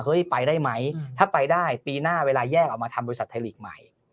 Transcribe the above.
ไปได้ไหมถ้าไปได้ปีหน้าเวลาแยกออกมาทำบริษัทไทยลีกใหม่